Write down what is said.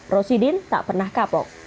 rosidin tak pernah kapok